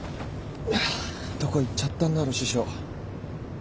どこ行っちゃったんだろ師匠。